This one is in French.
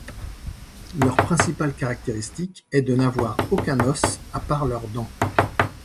Leur principale caractéristique est de n'avoir aucun os à part leurs dents.